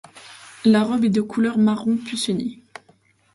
La robe est de couleur marron puce unie.